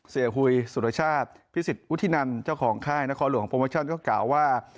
หุยสุรชาติพิสิทธิวุฒินันเจ้าของค่ายนครหลวงโปรโมชั่นก็กล่าวว่า